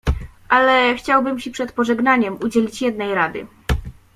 "Ale chciałbym ci przed pożegnaniem udzielić jednej rady."